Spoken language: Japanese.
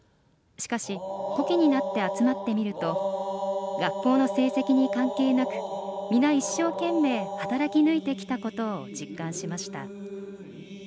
しかし、古希になって集まってみると学校の成績に関係なく皆、一生懸命働きぬいてきたことを実感しました。